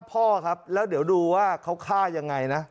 พ่อครับแล้วเดี๋ยวดูว่าเขาฆ่ายังไงนะ